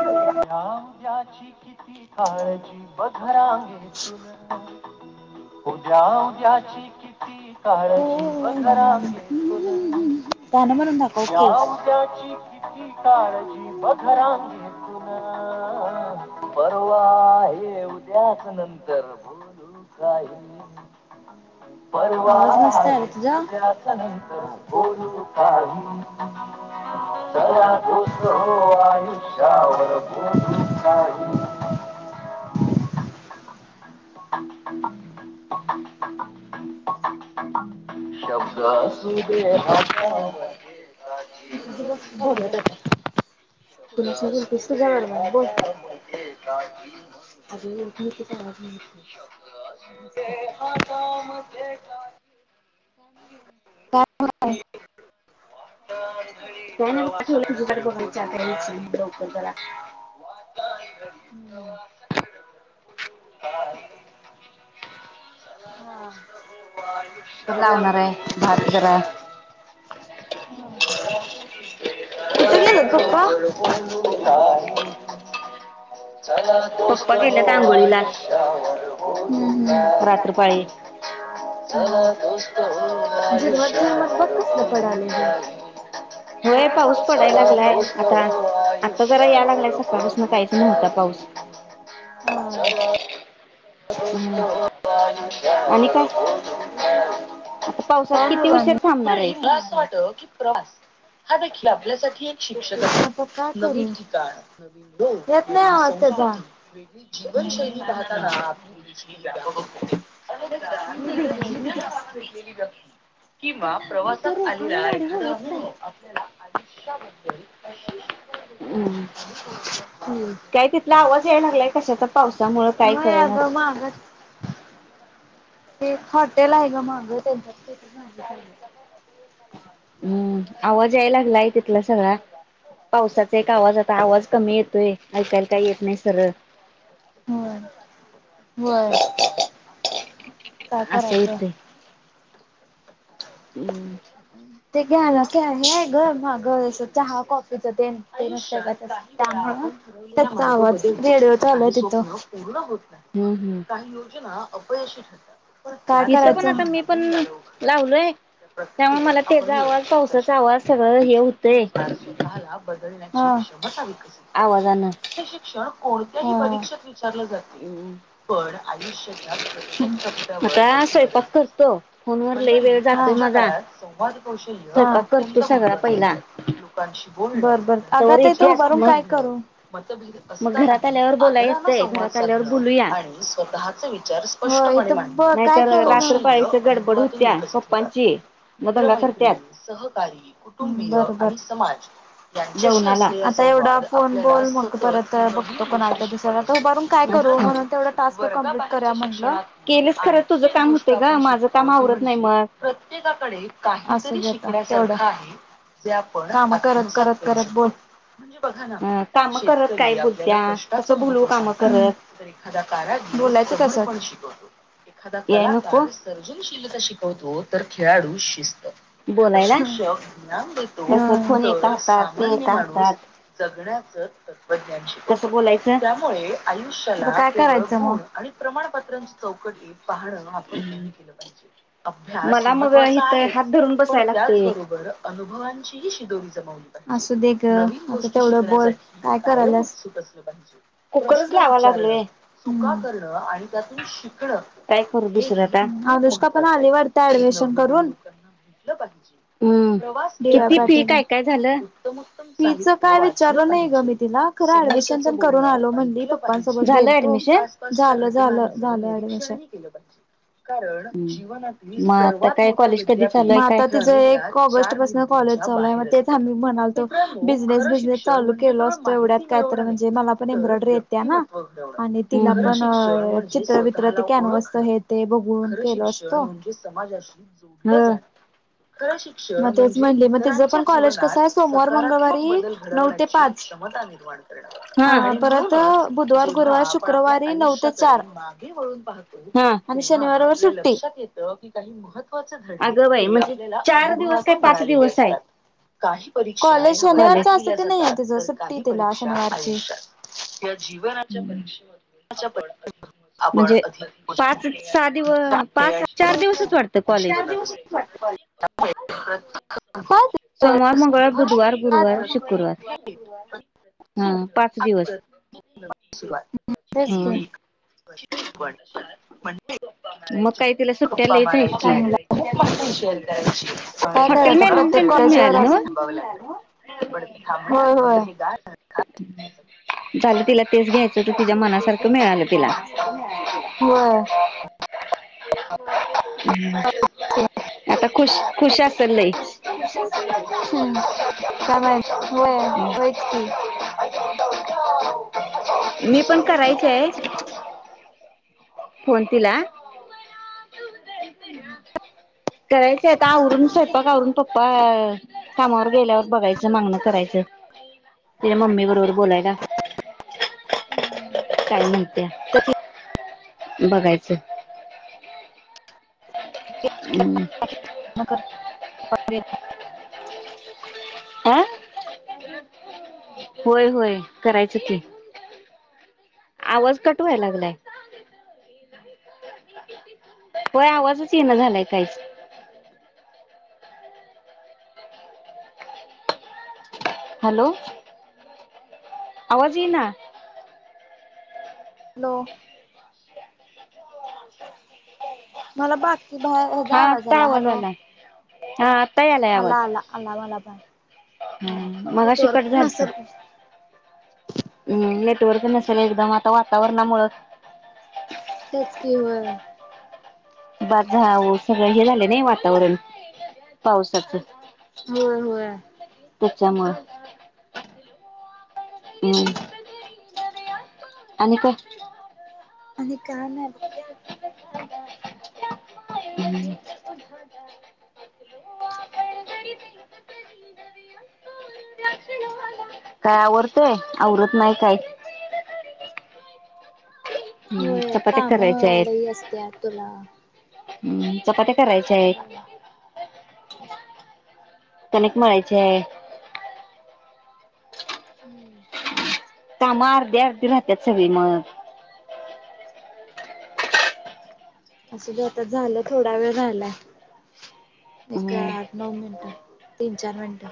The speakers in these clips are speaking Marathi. द्याची किती काळजी बघरां उद्या उद्याची किती हो काळजीब घरांगेतून गाणं म्हणून दाखव की. या्या उद्याची काळजी बखरां घेत ना बरो उद्यास नंतर बोलू काही परवा आवाज मस्त रे आहे तुझा. तद्याच नंतर बोलू काढ सर्वन पुष हो शपू का ्म््् शब्द अस असू दे तुझं हामध्येध्ये बघ बोलत आता. का कुणाशी अजी बोलतेस तुझ्या बरोबर बोल. बस अगं ओळखीचा आवाज नाही येत. बोल आ े ह काा म काम का काय होय ह त्या नाही च्रर जरा [unintelligible] [unintelligible] कुकर हा लावणार आहे भात जरा [unintelligible] कुठे गेली पप्पा पप्पा गेल्यात आंघोळीला. [unintelligible] हम, रात्रपाळी [unintelligible] होय पाऊस पडायला [unintelligible] लागलाय आता आता जरा या लागलाय सकाळपासून काहीच [unintelligible] [unintelligible] [unintelligible] दोस्त हम् हो आणि आयुष्यावर काय बोलू काही आता [unintelligible] पावसात किती उशीर थांबणार आहेस हा देखील आपल्यासाठी एक शिक्षक अस नवीन ठिकाण नवी नाही वेगळी जीवनशैली पाहताना आपली दृष्टी व्यापक होते [unintelligible] क आपल्याला आयुष्याबद्दल अशी शिकव, हम्म [unintelligible] काय तिथला आवाज याय लागलाय कशाचा पावसामु काय पावसामुळे होय करनच, अगं ह माग [unintelligible] ते एक हॉटेल आहे का मागं हम्. [unintelligible] आवाज याय लागलाय तिथला सगळा, पावसाचा एक आवाज आता, आवाज कमी येतोय आलकाल काय येत नाही सरळ. होय, काय असं करायचं? हम्म. ते घ्या ना हेय घर म गर चहा कॉफीच ते. त्या मुळे त्याचा आवाज रेडिओ चालू आहे तेजा. हम्म हम्म काही योजना अपयशी ठरतात. काय इथं पण करायचं? आता मी पण लावलोय त्यामुळे मला आपण त्याचा आवाज लच पावसाचा आवाज सगळं हे होतंय परिस्थितीनुसार स्वतःला ब हा आवाजानं कोणत्याही परीक्षेत विचारलं जातील पण, आयुष्याच्या प्रत्येक टप्प्यावर आता त्याची गरज स्वयंपाक नसते करतो फोनवर लई मंडळी वेळ जातोय तुमच्या माझा. काळात संवाद कौशल स्वयंपाक करतो अत्यंत सगळा महत्त्वाचं पहिला होतं, लोकांशी बोलणं बर अग तवर आहे तो येत्यास बर मग काय करू? मतभेद मग घरात असतानाही आल्यावर बोलाय आदराला येतंय संवाद घरात आल्यावर साधण बोलूया. आणि स्वतः काय नाहीतर रात्र पाळीच गडबड कळेना होत्या काय. पप्पांची मग दंगा करत्यात. मित्र-मैत्रिणी, सहकारी, कुटुंबीय, समाज. जेवणाला आता एवढा फोन बोल मग परत बघतो कोण अर्ध्या दिवसाला आता उभारून काय करू? म्हणून तेवढं टास्क कंप्लीट करूया म्हटलं. केलंच खरं तुझं आणखी काम गोष्ट होते ग आपण माझं काम शिकलो आवरत नाही म्हणजे मग. प्रत्येकाकडे असवढ ते काम करत करत करत बोल. म्हणजे बघा अ ना कामं करत काय शेतकरी बोलत्या आपल्याला कसं कष्टाचं बोलवू महत्व कामं करत. सांगतात तर एखादा कार बोलायचं कसं? एखादा याय नको कलाकार सर्जनशीलता शिकवतो, तर खेळाडू शिस्त. [unintelligible] बोलायला. शॉक ना कसं फोन तो एका हातात ते सामान्य एका माणूस हातात जगण्याच तत्त्वज्ञशी कसं प्रोटोकॉ बोलायचं आहे त्यामुळे आयुष्याला काय करायचं? आणि प्रमाणपत्रांची चौकट य पाहण आपण कमी केलं पाहिजे, अभ्यास मला मग महत्वाचा हिथ आहे. हात धरून बसाय लागते त्याचबरोबर अनुभवांची शिदोरी जमवली तेवढं बोल, काय करायल्यास? कुकरच लावा लागलोय काय करू दुसरं आता अनुष्का पण आली वाटत ऍडमिशन करून. लोक हम्म हीच काय किती काय फी काय झालं? फी च काय विचारलं नाही ग मी. तिला खर ऍडमिशन तेन करून आलो म्हणली पप्पांसोबत झालं गेलतो ऍडमिशन झालं झालं, झालं ऍडमिशन. जीवना मग आता सर्वात काय मोठी कॉलेज कधी विद्या चालू मग आहे काय आता तिचं एक ऑगस्ट पासून कॉलेज चालू आहे, मग तेच आम्ही म्हणाल तो बिझनेस बिझनेस चालू गेलो असतो एवढ्यात काय तर म्हणजे मला पण एम्ब्रॉयडरी येते ना. आणि हम्म तिला पण चित्रबित्र ते कॅनवस हे ते बघून केलो असतो. समाजाशी जोडलं हम्म जा मग तेच म्हणली मग तिच पण कॉलेज कस आहे सोमवार, मंगळवारी नऊ ते पाच. ह हा परत बुधवार, गुरुवार, शुक्रवारी नऊ ते चार. हा आणि शनिवार, रविवार सुट्टी. अगं बाई म्हणजे चार दिवस ते पाच दिवस कॉलेज कॉलेज शनिवारचं असच नाही तिच सुट्टी तिला शनिवारची. जी अचछा प आपण म्हणजे अधिक पाच सहा दिवस दि पाच चार दिवसच वाटतं कॉलेज सोमवार मंगळवार संघर्ष बुधवार हा गुरुवार प्रत्येक शुक्रवार भेट, हा पाच दिवस य हा ष्यण म्हणते मग काय तिला सुट्ट्या ्पा लईच आहेत की मारायराय काय हॉटेल करायचं प्रत्येक मॅनेजमेंटच कॉज मिळालं ना थांब प थांब ग झालं तिला तेच घ्यायचं तर तिच्या मनासारखं मिळालं तिला हो आता खुश खुश असल लय हम्म का होय होयच की मी पण करायच आहे हॅलो कोणतीला करायचं आता आवरून स्वयंपाक आवरून पप्पा कामावर गेल्यावर बघायचं मागणं करायचं तेरा ममी बरोबर बोलायला हम्म काय माहणत बघायचं आं होय होय करायचं ते आवाज कटवाय लागलाय होय आवाजच येणं झालाय काहीच हॅलो आवाज ये ना हॅलो मला बाकी बा ह्याचा हा आवाज आत्ता आला हॅलो आलाय हा आता यायला आला आवाज, आला आला मला पण हा हम मगाशी कट नेटवर्क झालता नसल हम् नेटवर्क नसेल एकदम आता वातावरणामुळ. तेच कि व बाजाऊ सगळं हे झालं नाही वातावरण पावसाचं होय होय त्याच्यामुळे आणि काय? अ का नाही हम्म - काय आवरत आवरत नाही काय? हम्म होय चपात्या काम करायच्या आहेत लई असत तुला हम्म चपाती करायच्या होय आहेत. कणिक मळायची हाय हम्म कामा अर्धे अर्धे राहत्यांत सगळी मग असं आता झालं थोडा वेळ झाला. एक हम्म आठ नऊ मिनटं तीन चार मिनटं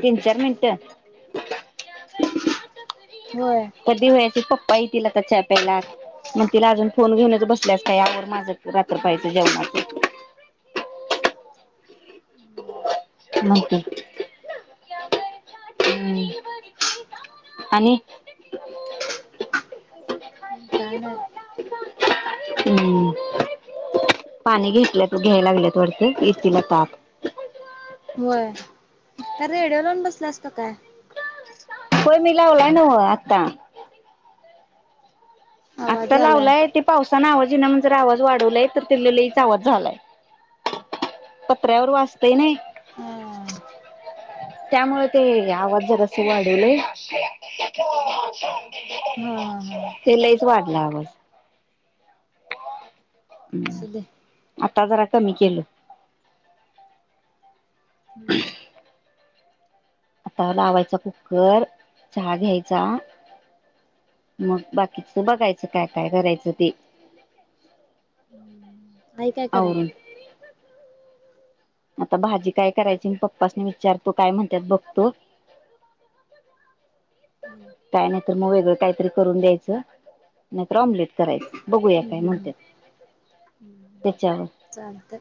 तीन चार मिनट होय कध होयाची प पाहि तिला त चा प्यायला मग तिला अजून फोन घेऊनच बसल्यास काय आवर माझं रात्र पाहायचं जेवणाच हम् मग काय? हम् आणि ह काय नाय. हम्म, पाणी घेतल्यात घ्यायय लागल्यात. करते येतील आता आत. व्हय का रेडिओ लावून बसल्यास का काय? होय मी लावलाय नव आत्ता. आवाज आत्ता आलाय लावलाय ते पावसानं आवाज इना म्हणून जरा आवाज वाढवलाय तर तेला लईच आवाज झालाय. पत्र्यावर वाजतंय नई.. हा त्यामुळे ते आवाज जरासं वाढवलय. हा हा हा ते लईच वाढला आवाज. असू दे आत्ता जरा कमी केलो. हुं आता लावायचा कुकर, चहा घ्यायचा मग बाकीच बघायचं काय काय करायचं ते आई काय कराल्या? आवरून आता भाजी काय करायची मी पप्पाासनी विचारतो, काय म्हणत्यात बघतो [unintelligible] हुं त्यांना वेगळं काहीतरी करून द्यायचं तर ऑमलेट करायच बघूया काय म्हणत्यात हम् चालतंय.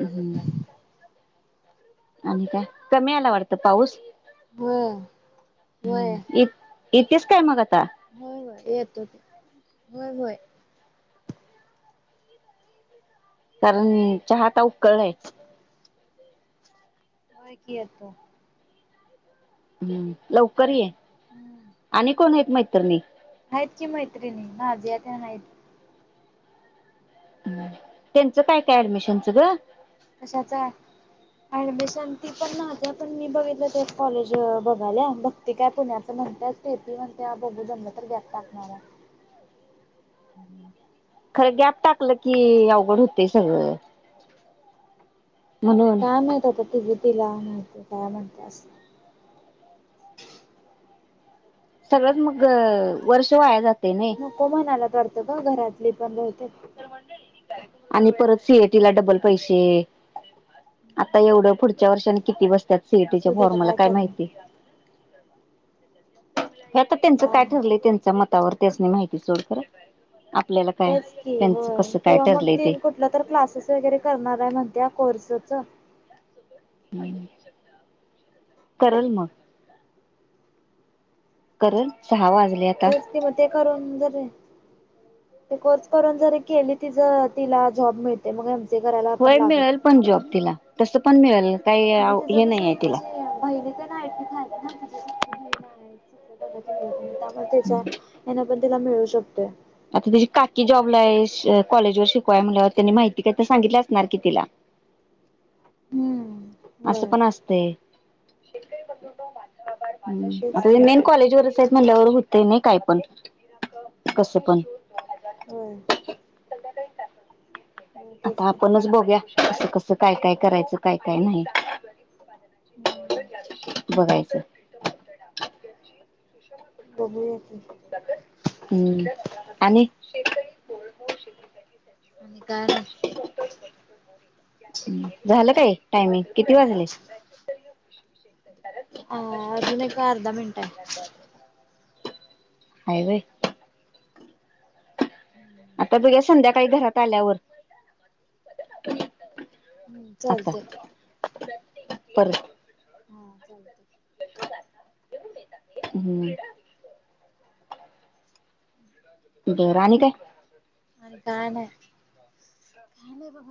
हम्म आणि काय कमी आला वाटत पाऊस? व्हय... व्हय येतीस काय मग? आता व्हय व्हय येतो की व्हय व्हय. कारण चहा आता उखळलाय होय कि येतो हुं लवकर ये हम्म आणि कोण आहेत मैतरणी आहेत कि मैत्रिणी नाझिया तेन हायत त्यांचं काय काय ऍडमिशनचं ग कशाच अँ ऍडमिशन ती पण माझ्या पण मी बघितलं तेच कॉलेज बघायल्या भक्ती काय पुण्याच म्हणत्यां स्टेपी म्हणत्या बघू जमलं तर गॅप टाकणार आहे खरं गॅप टाकलं कि अवघड हुतय सगळं [inaudible] म्हणून काय माहित आता तिज तिला माहिती काय म्हणत्या अस सगळंच मग वर्ष वाया जात नको म्हणाल्यात वाढत ग घरातली पण बहुतेक आणि परत सीएटी ला डबल पैसे आता एवढं पुढच्या वर्षी आणि किती बस्त्यात सीईटीच्या असू दे आता फॉर्मला काय करणार माहिती? ते आता त्यांचं काय ठरलंय त्यांच्या मतावर त्यासनी माहिती सोड खरं आपल्याला काय तेच की त्यांचं होय कसं काय किंवा मग ठरलंय ते कुठलं तर क्लासेस वगैरे करणार आहे म्हणत्या कोर्सच करल मग करुन चहा वाजे तेचकि मते करून डेरे ते कोर्स करून जरी केली ति ज तिला जॉब मिळते मग सी ए करायला पण होय लागत मिळेल नाही. पण जॉब तिला तस पण मिळेला आणि तिचं कस त्याची बहिणी पण आहेत तिथ आहेत ना तिच्या सक्की बहिण आहेत ा त्यामुळे त्याच्या हना पण त्याला मिळू शकतो आता त्याची काकी जॉबला कॉलेज वर शिकवाय म्हवर त्यांनी माहिती काता सांगितलं असणार कि तिला सऊऊऊ ह्यूम असं पण असते तेच आता की मेन कॉलेज वरच आहेत म्हणल्यावर ते नाही काय पण कसं पण होय होय तेच आता की आपणच बघया असं कसं काय काय करायचं काय काय नाही बघायचं बघूया हम्म आणि आणि काय नाही. झालं काय टायमिंग किती वाजले अ अजून एक अर्धा मिनट आहे हायवे आता बुघ्या संध्याकाळी घरात आल्यावर हम्म आता चालतय परत हा चालत हम्म े राणी काय अर गाण आहे गाण आहे बघ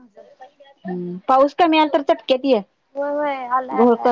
हम्म पाऊस कमी आला तर चटक्यात होय होय ये आलाआलंय